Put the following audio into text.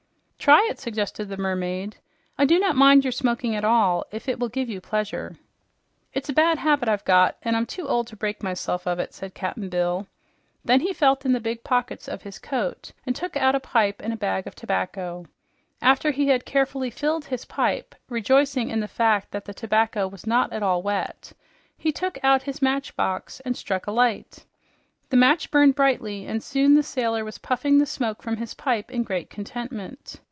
"Try it," suggested the mermaid. "I do not mind your smoking at all, if it will give you pleasure." "It's a bad habit I've got, an' I'm too old to break myself of it," said Cap'n Bill. Then he felt in the big pocket of his coat and took out a pipe and a bag of tobacco. After he had carefully filled his pipe, rejoicing in the fact that the tobacco was not at all wet, he took out his matchbox and struck a light. The match burned brightly, and soon the sailor was puffing the smoke from his pipe in great contentment.